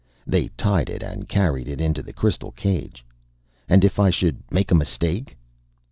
They tied it and carried it into the crystal cage. "And if I should make a mistake?"